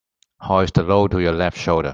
Hoist the load to your left shoulder.